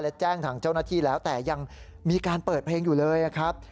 และแจ้งทางเจ้าหน้าที่แล้วแต่ยังมีการเปิดเพลงอยู่เลยครับ